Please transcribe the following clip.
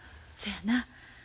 そやな。